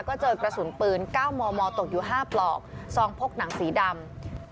ก็เจอกระสุนปืน๙มมตกอยู่๕ปลอกซองพกหนังสีดำ